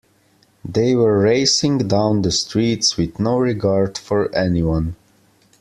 They were racing down the streets with no regard for anyone.